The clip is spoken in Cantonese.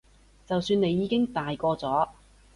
就算你已經大個咗